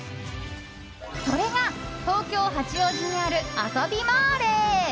それが、東京・八王子にあるあそびマーレ。